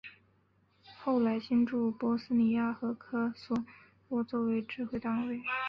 后来进驻波斯尼亚和科索沃作为指挥单位。